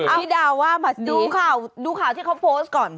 นี่ดาวดูข่าวที่เขาโพสก่อน